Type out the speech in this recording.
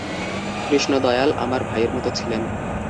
কৃষ্ণদয়াল আমার ভাইয়ের মতো ছিলেন।